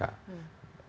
dan kpk juga menjawab